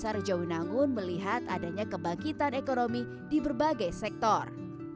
desa rejawi nanggun melihat adanya kebangkitan ekonomi di berbagai sektor